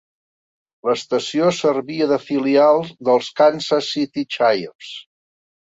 L'estació servia de filial dels Kansas City Chiefs.